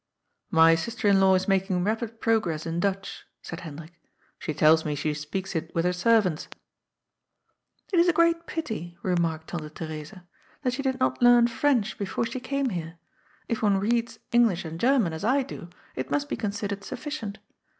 " My sister in law is making rapid progress in Dutch," said Hendrik. ^^ She tells me she speaks it with her serv ants." ^' It is a great pity," remarked Tante Theresa, ^' that she did not learn French before she came here. If one reads English and German, as I do, it must be considered suffi cient.